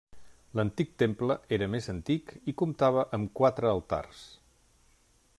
L'antic temple era més antic i comptava amb quatre altars.